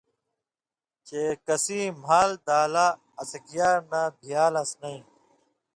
چے کسیں مھال دالہ (اڅھکیار نہ) بِھیالس نَیں،